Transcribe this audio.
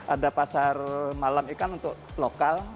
ada pasar malam ikan untuk lokal